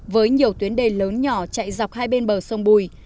với nhiều tuyến đề lớn nhỏ chạy dọc hai bên bờ sông bùi